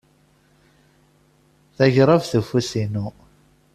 Tagrabt ufus inu.